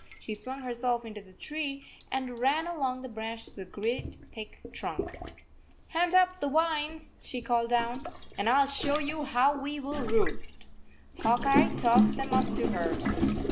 She swung herself into the tree and ran along the branch to the great thick trunk. 44 Hand up the vines," she called down, "and I will show you how we will roost." Hawk Eye tossed them up to her.